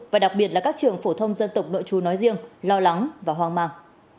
và đặc biệt là các trường phổ thông dân tộc nội chú nói riêng lo lắng và hoang mang